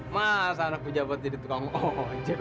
masa anak pejabat jadi tukang ojek